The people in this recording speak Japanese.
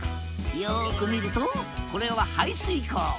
よく見るとこれは排水溝。